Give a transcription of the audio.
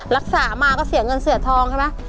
รักษามาก็เสียเงินเสียทองใช่ไหม